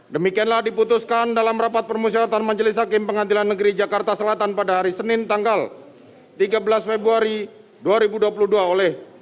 demikianlah diputuskan dalam rapat permusyaratan majelis hakim pengadilan negeri jakarta selatan pada hari senin tanggal tiga belas februari dua ribu dua puluh dua oleh